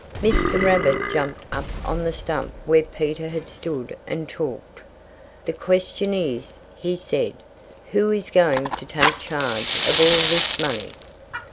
Mr. Rabbit jumped up on the stump where Peter had stood and talked. "The question is," he said, "who is going to take charge of all this money?"